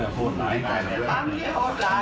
ซึ่งคนน้ำขาดลงบาน